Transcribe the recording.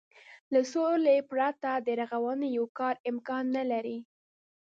له سولې پرته د رغونې يو کار امکان نه لري.